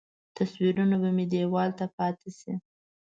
تصویرونه به مې دیوال ته پاتې شي.